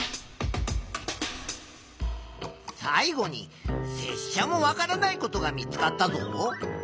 最後にせっしゃもわからないことが見つかったぞ。